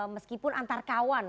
meskipun antar kawan